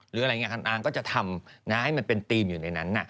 หรืออะไรอย่างนี้คุณอางก็จะทำให้มันเป็นธีมอยู่ในนั้น